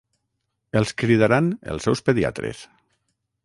Els cridaran els seus pediatres.